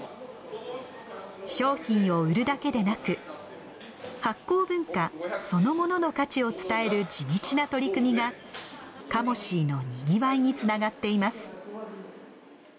商品を売るだけでなく発酵文化そのものの価値を伝える地道な取り組みがカモシーのにぎわいにつながっています。